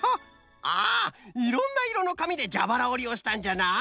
あいろんないろのかみでじゃばらおりをしたんじゃな。